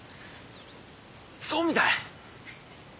そうみたい。